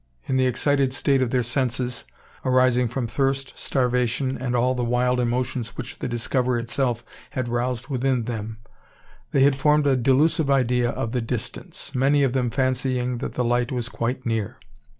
In the excited state of their senses, arising from thirst, starvation, and all the wild emotions which the discovery itself had roused within them, they had formed a delusive idea of the distance; many of them fancying that the light was quite near!